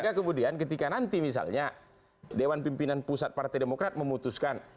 maka kemudian ketika nanti misalnya dewan pimpinan pusat partai demokrat memutuskan